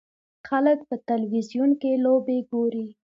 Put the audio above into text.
خلک په تلویزیون کې لوبې ګوري.